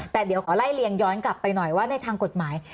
แต่เดี๋ยวขอไล่เลียงย้อนกลับไปหน่อยว่าในทางกฎหมาย